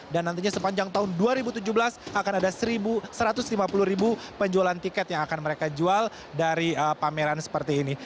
dan nantinya sepanjang tahun dua ribu tujuh belas akan ada satu ratus lima puluh ribu penjualan tiket yang akan mereka jual dari pameran seperti ini